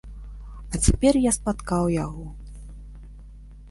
А цяпер я спаткаў яго.